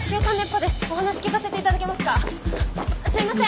すいません！